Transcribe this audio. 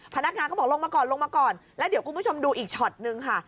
พนักงานก็บอกลงมาก่อนและเดี๋ยวคุณผู้ชมดูอีกช็อตหนึ่งค่ะ